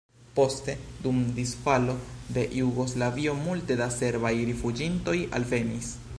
Poste dum disfalo de Jugoslavio multe da serbaj rifuĝintoj alvenis.